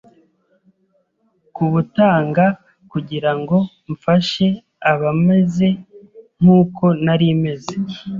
kubutanga kugirango mfashe abameze nkuko nari meze